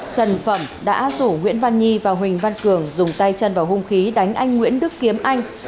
trần phẩm đã rủ nguyễn văn nhi và huỳnh văn cường dùng tay chân vào hung khí đánh anh nguyễn đức kiếm anh